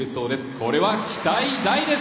これは、期待大です。